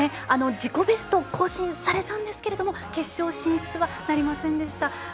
自己ベストを更新されたんですが決勝進出はなりませんでした。